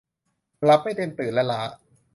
หลับไม่เต็มตื่น และล้า